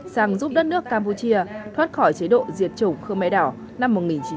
sáng giúp đất nước campuchia thoát khỏi chế độ diệt chủng khmer đảo năm một nghìn chín trăm bảy mươi chín